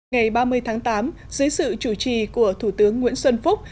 ngày ba mươi tháng tám dưới sự chủ trì của thủ tướng nguyễn xuân phúc